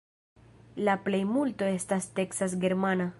La plejmulto estas teksas-germana.